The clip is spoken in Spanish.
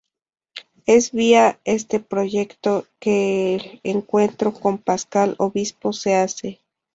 Es vía este proyecto que el encuentro con Pascal Obispo se hace.